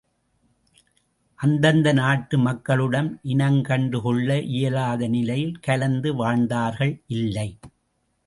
அந்தந்த நாட்டு மக்களுடன் இனம் கண்டு கொள்ள இயலாத நிலையில் கலந்து வாழ்ந்தார்கள் இல்லை!